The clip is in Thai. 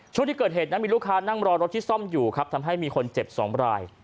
ช่วงที่เกิดเหตุนั้นมีลูกค้านั่งรอรถที่ซ่อมอยู่ครับทำให้มีคนเจ็บ๒ราย